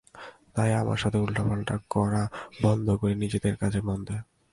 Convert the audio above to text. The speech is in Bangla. তাই আমার সাথে উল্টা-পাল্টা করা বন্ধ করে নিজেদের কাজে মন দে।